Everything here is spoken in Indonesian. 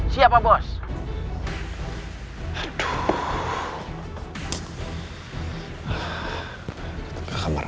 siap pak bos